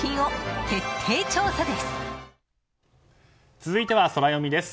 続いては、ソラよみです。